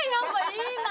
いいな。